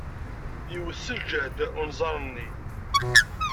Iwet s ljehd unẓar-nni.